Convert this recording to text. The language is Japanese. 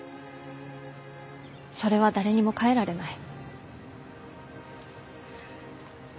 それは誰にも変えられない。